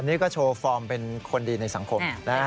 ตอนนี้ก็โชว์ฟอร์มเป็นคนดีในสังคม